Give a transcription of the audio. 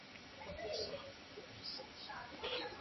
Perteneciente al clado de "Sylvia" y los picos de loros.